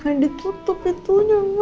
bukan ditutup pintunya mas